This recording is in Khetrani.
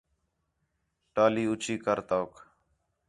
ٹالی اُچّی کر توک